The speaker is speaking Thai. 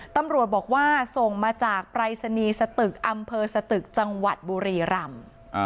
ตำรวจบอกว่าส่งมาจากปรายศนีย์สตึกอำเภอสตึกจังหวัดบุรีรำ